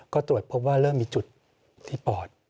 ก็ตรวจพบว่าเริ่มมีจุดที่ปอด